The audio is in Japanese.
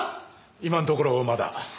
今のところまだ。